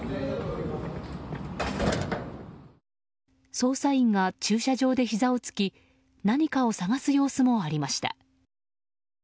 捜査員が駐車場でひざをつき何かを探す様子もありました。